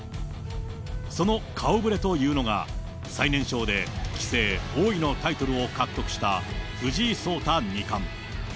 その顔ぶれというのが、最年少で棋聖、王位のタイトルを獲得した藤井聡太二冠。